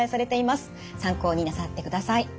参考になさってください。